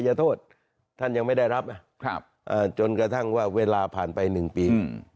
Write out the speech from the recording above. โทษท่านยังไม่ได้รับจนกระทั่งว่าเวลาผ่านไป๑ปี